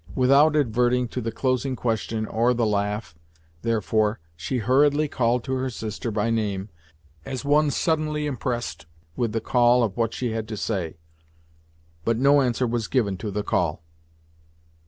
Without adverting to the closing question, or the laugh, therefore, she hurriedly called to her sister by name, as one suddenly impressed with the importance of what she had to say. But no answer was given to the call.